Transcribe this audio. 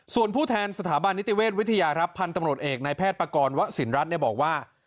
ส่วนผู้แทนสถาบันนิติเวทย์วิทยารับพันธ์ตำรวจเอกในแพทย์ประกอลวะสินรัฐเนี่ยบอกว่า